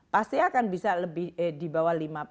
pasti akan bisa lebih di bawah lima puluh